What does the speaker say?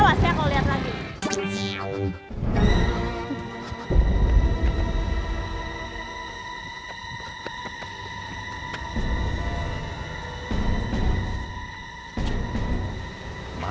awas ya kalau lihat lagi